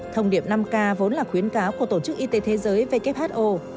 thông điệp năm k vốn là khuyến cáo của tổ chức y tế thế giới who